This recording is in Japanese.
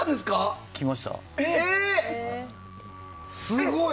すごい。